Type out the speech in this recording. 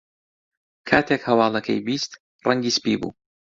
کاتێک هەواڵەکەی بیست، ڕەنگی سپی بوو.